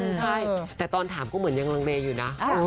ใช่แต่ตอนถามก็เหมือนยังลังเมย์อยู่นะ